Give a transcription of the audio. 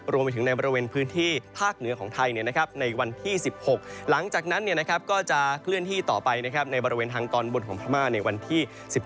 รวมไปถึงในบริเวณพื้นที่ภาคเหนือของไทยในวันที่๑๖หลังจากนั้นก็จะเคลื่อนที่ต่อไปในบริเวณทางตอนบนของพม่าในวันที่๑๗